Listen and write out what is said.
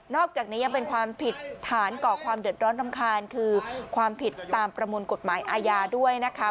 อกจากนี้ยังเป็นความผิดฐานก่อความเดือดร้อนรำคาญคือความผิดตามประมวลกฎหมายอาญาด้วยนะคะ